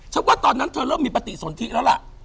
ว่าตอนนั้นเธอเริ่มมีปฏิสนทิแล้วล่ะ